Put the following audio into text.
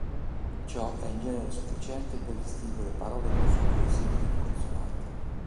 Ciò è in genere sufficiente per distinguere parole con strutture simili di consonanti.